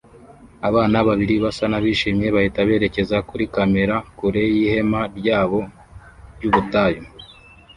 Abana babiri basa n'abishimye bahita berekeza kuri kamera kure yihema ryabo ryubutayu